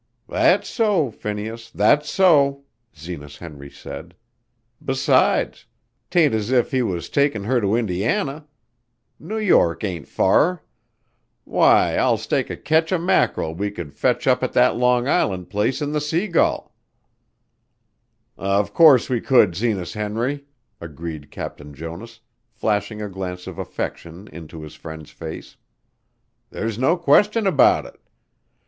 "That's so, Phineas! That's so!" Zenas Henry said. "Besides, 'tain't as if he was takin' her to Indiana. New York ain't fur. Why, I'll stake a catch of mackerel we could fetch up at that Long Island place in the Sea Gull." "Of course we could, Zenas Henry," agreed Captain Jonas, flashing a glance of affection into his friend's face. "There's no question about it.